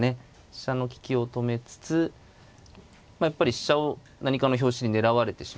飛車の利きを止めつつまあやっぱり飛車を何かの拍子に狙われてしまう。